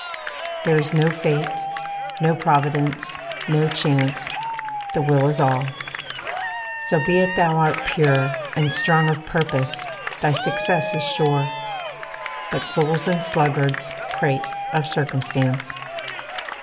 There is no Fate, no Providence, no Chance, The will is all. So be it thou art pure, And strong of purpose, thy success is sure; But fools and sluggards prate of circumstance.